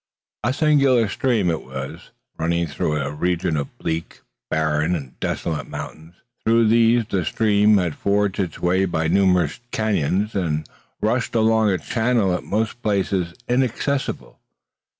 A singular stream it was, running through a region of bleak, barren, and desolate mountains. Through these the stream had forged its way by numerous canons, and rushed along a channel at most places inaccessible.